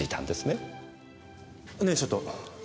ねえちょっと。